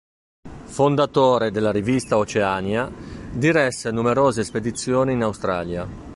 Fondatore della rivista "Oceania", diresse numerose spedizioni in Australia.